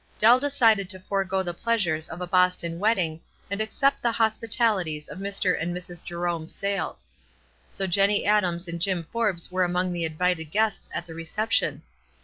Dell WISE AND OTHERWISE. 365 decided to forego the pleasures of a Boston wedding, and accept the hospitalities of Mr. and Mrs. Jerome Sayles. So Jennie Adams and Jim Forbes were among the invited guests at the reception.